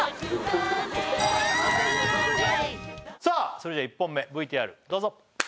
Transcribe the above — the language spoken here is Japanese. それでは１本目ＶＴＲどうぞ！